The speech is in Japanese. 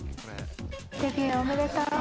デビューおめでとう！